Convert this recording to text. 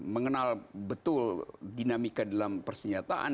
mengenal betul dinamika dalam persenjataan